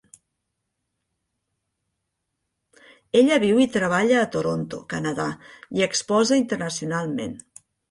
Ella viu i treballa a Toronto, Canadà i exposa internacionalment.